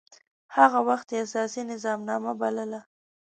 هغه وخت يي اساسي نظامنامه بلله.